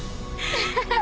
アハハハ。